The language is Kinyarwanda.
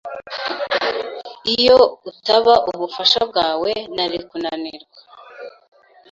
Iyo utaba ubufasha bwawe, nari kunanirwa.